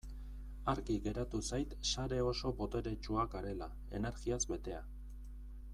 Argi geratu zait sare oso boteretsua garela, energiaz betea.